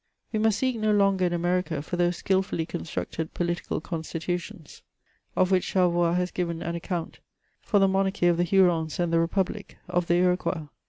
We must seek no longer in America for those skilfully con structed political constitutions of wldch Charlevoix has given an 280 MEMOIRS OF account, for the monarchy of the Hurons and the !Repuhlic«of the Iroquois.